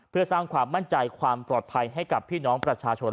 เพื่อสร้างความมั่นใจความปลอดภัยให้กับพี่น้องประชาชน